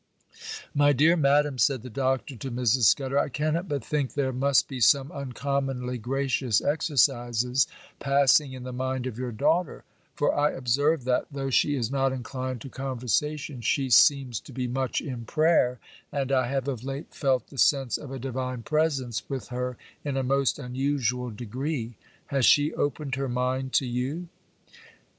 'My dear madam,' said the Doctor to Mrs. Scudder, 'I cannot but think there must be some uncommonly gracious exercises passing in the mind of your daughter; for I observe, that, though she is not inclined to conversation, she seems to be much in prayer; and I have of late felt the sense of a Divine Presence with her in a most unusual degree. Has she opened her mind to you?